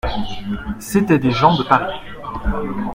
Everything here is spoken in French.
C'étaient des gens de Paris.